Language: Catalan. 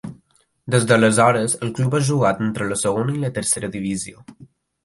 Des d'aleshores el club ha jugat entre la segona i tercera divisió.